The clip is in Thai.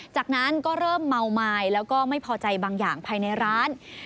จากนั้นก็เริ่มเมาไม้แล้วก็ไม่พอใจบางอย่างภายในร้าน